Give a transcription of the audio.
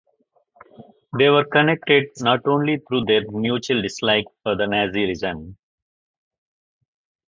They were connected not only through their mutual dislike for the Nazi regime.